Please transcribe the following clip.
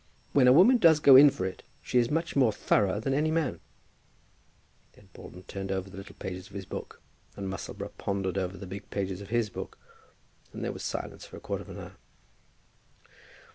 When a woman does go in for it, she is much more thorough than any man." Then Broughton turned over the little pages of his book, and Musselboro pondered over the big pages of his book, and there was silence for a quarter of an hour.